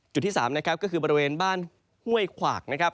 ที่๓นะครับก็คือบริเวณบ้านห้วยขวากนะครับ